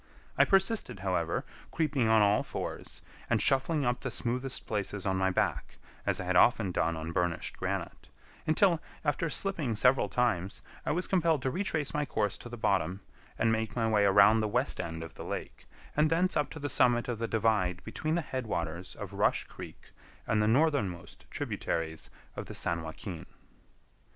I persisted, however, creeping on all fours, and shuffling up the smoothest places on my back, as I had often done on burnished granite, until, after slipping several times, I was compelled to retrace my course to the bottom, and make my way around the west end of the lake, and thence up to the summit of the divide between the head waters of Rush Creek and the northernmost tributaries of the San Joaquin.